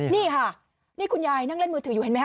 นี่ค่ะนี่คุณยายนั่งเล่นมือถืออยู่เห็นไหมค